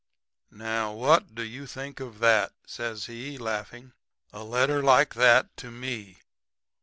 "'Now, what do you think of that?' says he, laughing 'a letter like that to ME!'